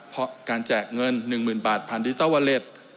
เพราะการแจกเงิน๑๐๐๐บาทผ่านดิจอวเล็ต